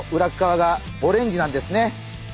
わがオレンジなんですね。